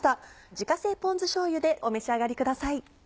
自家製ポン酢しょうゆでお召し上がりください。